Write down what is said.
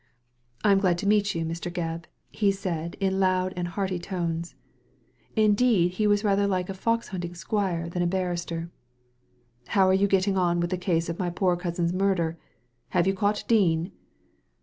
'' I am glad to meet you, Mr. Gebb," he said, in loud and hearty tones ; indeed, he was rather like a fox hunting squire than a barrister. "" How are you getting on with the case of my poor cousin's murder ? Have you caught Dean